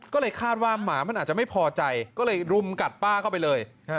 ก็เลยคาดว่าหมามันอาจจะไม่พอใจก็เลยรุมกัดป้าเข้าไปเลย